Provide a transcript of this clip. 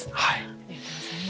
ありがとうございます。